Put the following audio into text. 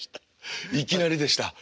いきなりでした。